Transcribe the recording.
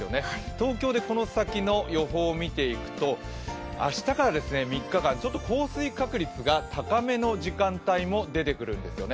東京でこの先の予報を見ていくと明日から３日間、降水確率が高めの時間帯も出てくるんですよね。